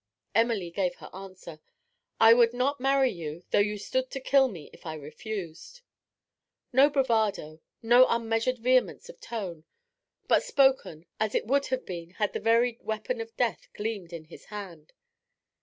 Emily gave her answer. 'I would not marry you, though you stood to kill me if I refused.' No bravado, no unmeasured vehemence of tone, but spoken as it would have been had the very weapon of death gleamed in his hand.